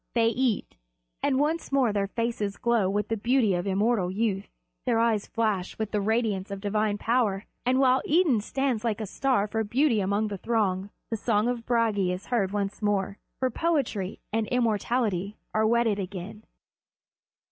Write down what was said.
They eat; and once more their faces glow with the beauty of immortal youth, their eyes flash with the radiance of divine power, and, while Idun stands like a star for beauty among the throng, the song of Bragi is heard once more; for poetry and immortality are wedded again.